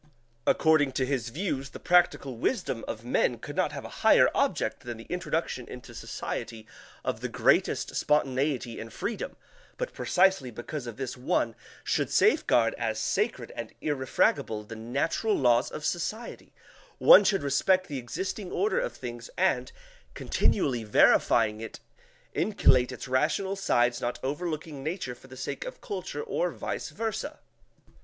According to his views, the practical wisdom of men could not have a higher object than the introduction into society of the greatest spontaneity and freedom, but precisely because of this one should safeguard as sacred and irrefragable the natural laws of society one should respect the existing order of things and, continually verifying it, inculcate its rational sides, not overlooking nature for the sake of culture, or vice versa" (p.